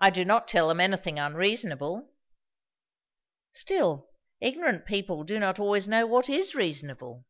"I do not tell them anything unreasonable." "Still, ignorant people do not always know what is reasonable."